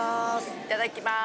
いただきます。